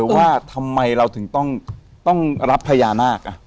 ว่าทำไมเราถึงต้องรับพญานาค